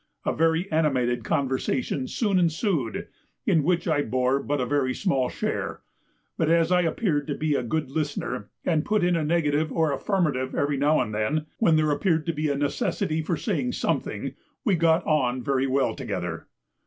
A very animated conversation soon ensued, in which I bore but a very small share; but as I appeared to be a good listener, and put in a negative or affirmative every now and then when there appeared to be a necessity for saying something, we got on very well together.